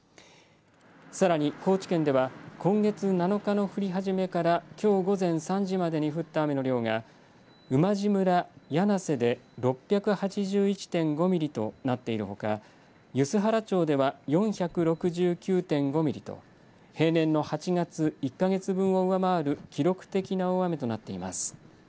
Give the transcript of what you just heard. さらに高知県では今月７日の降り始めから、きょう午前３時までに降った雨の量が馬路村魚梁瀬で６８１．５ミリとなっているほか梼原町では４６９．５ミリと平年の８月１か月分を上回る記録的な大雨となっています。